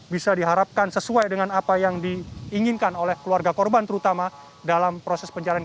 bisa diharapkan sesuai dengan apa yang diinginkan oleh keluarga korban terutama dalam proses pencarian